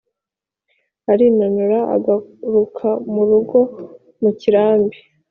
Arinanura agaruka mu rugo mu kirambi